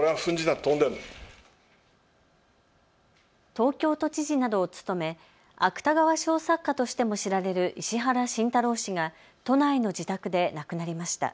東京都知事などを務め芥川賞作家としても知られる石原慎太郎氏が都内の自宅で亡くなりました。